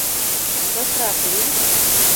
Шыпрак лий.